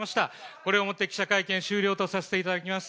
これをもって、記者会見終了とさせていただきます。